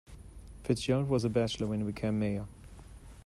FitzGerald was a bachelor when he became mayor.